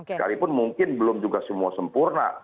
sekalipun mungkin belum juga semua sempurna